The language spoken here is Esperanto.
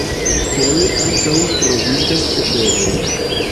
Foje ankaŭ troviĝas tabeloj.